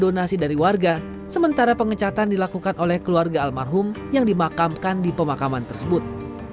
pengecatan makam ini mendonasi dari warga sementara pengecatan dilakukan oleh keluarga almarhum yang dimakamkan di pemakaman tersebut